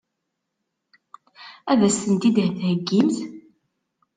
Ad as-tent-id-theggimt?